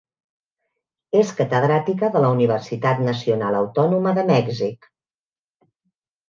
És catedràtica de la Universitat Nacional Autònoma de Mèxic.